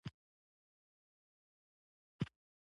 تعلیم به عام شي؟